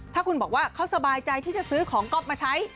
ถ้าคุณบอกว่าเขาสบายใจที่จะซื้อของก๊อฟมาใช้